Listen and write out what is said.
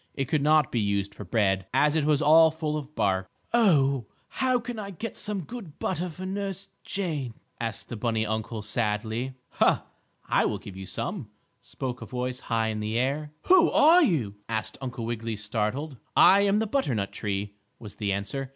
It could not be used for bread, as it was all full of bark. "Oh, how can I get some good butter for Nurse Jane?" asked the bunny uncle sadly. "Ha! I will give you some," spoke a voice high in the air. "Who are you?" asked Uncle Wiggily, startled. "I am the butternut tree," was the answer.